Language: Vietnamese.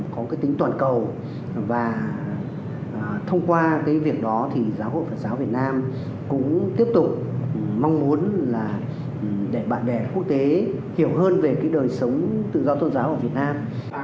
có cái tính toàn cầu và thông qua cái việc đó thì giáo hội phật giáo việt nam cũng tiếp tục mong muốn là để bạn bè quốc tế hiểu hơn về cái đời sống tự do tôn giáo ở việt nam